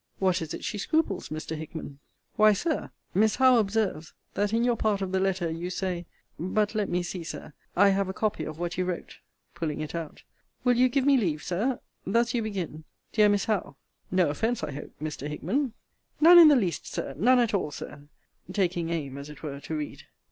What is it she scruples, Mr. Hickman? Why, Sir, Miss Howe observes, that in your part of the letter, you say but let me see, Sir I have a copy of what you wrote, [pulling it out,] will you give me leave, Sir? Thus you begin Dear Miss Howe No offence, I hope, Mr. Hickman? None in the least, Sir! None at all, Sir! Taking aim, as it were, to read.